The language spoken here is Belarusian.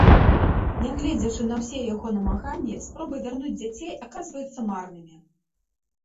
Нягледзячы на ўсе яго намаганні, спробы вярнуць дзяцей аказваюцца марнымі.